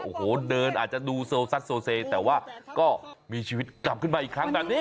โอ้โหเดินอาจจะดูโซซัดโซเซแต่ว่าก็มีชีวิตกลับขึ้นมาอีกครั้งแบบนี้